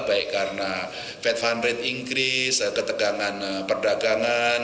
baik karena vat fund rate increase ketegangan perdagangan